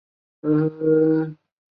曾祖父王珍。